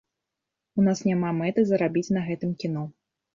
У нас няма мэты зарабіць на гэтым кіно.